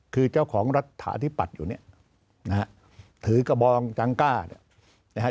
คือเจ้าของรัฐฐาที่ปัดอยู่เนี่ยถือกระบองจังก้าเนี่ย